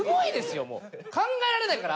考えられないから！